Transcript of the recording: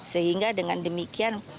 sehingga dengan demikian